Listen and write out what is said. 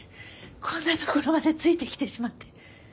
こんな所までついてきてしまって。